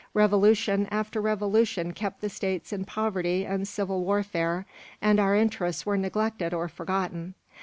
Revolution after revolution kept the states in poverty and civil warfare, and our interests were neglected or forgotten.